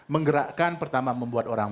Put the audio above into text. menggerakkan pertama membuat orang